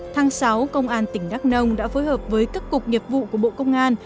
tháng sáu công an tỉnh đắk nông đã phối hợp với các cục nghiệp vụ của bộ công an